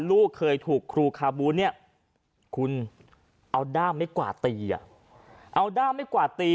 ลูกเคยถูกครูคาบูเนี่ยคุณเอาด้ามไม่กวาดตีอ่ะเอาด้ามไม่กวาดตี